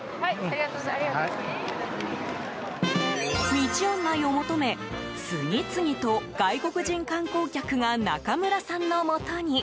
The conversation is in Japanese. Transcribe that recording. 道案内を求め次々と外国人観光客が中村さんのもとに。